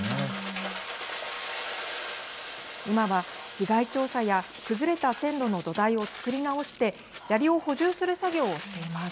今は、被害調査や崩れた線路の土台を作り直して、砂利を補充する作業をしています。